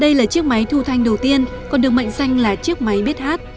đây là chiếc máy thu thanh đầu tiên còn được mệnh danh là chiếc máy biết hát